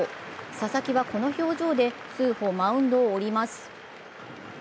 佐々木はこの表情で、数歩マウンドを降ります。